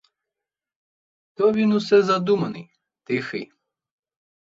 То він усе задуманий, тихий.